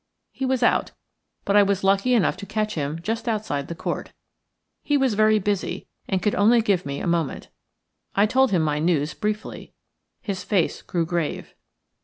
He was out, but I was lucky enough to catch him just outside the Court. He was very busy, and could only give me a moment. I told him my news briefly. His face grew grave.